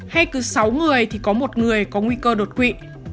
hay cứ sáu người thì có một người có nguy cơ đột quỵ